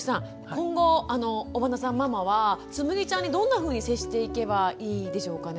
今後尾花さんママはつむぎちゃんにどんなふうに接していけばいいでしょうかね？